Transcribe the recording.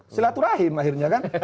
silaturahim akhirnya kan